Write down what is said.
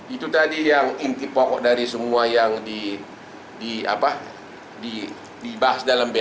itu tadi yang inti pokok dari semua yang di di apa di dibahas dalam bhp